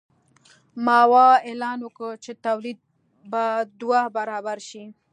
ماوو اعلان وکړ چې تولید به دوه برابره شي.